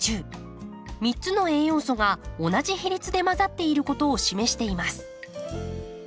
３つの栄養素が同じ比率で混ざっていることを示しています。